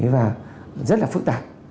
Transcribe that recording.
và rất là phức tạp